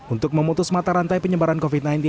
untuk memutus mata rantai penyebaran covid sembilan belas